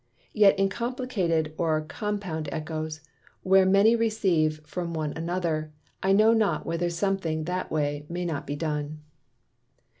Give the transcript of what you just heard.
Yet in complicated or Compound Ecchoes, where many receive from one another, I know not whether something that way may not be done.